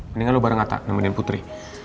mendingan lo bareng ngata nemenin putri